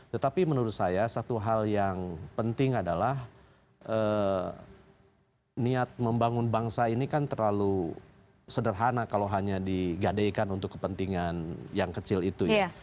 tetapi menurut saya satu hal yang penting adalah niat membangun bangsa ini kan terlalu sederhana kalau hanya digadaikan untuk kepentingan yang kecil itu ya